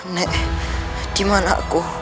nek dimana aku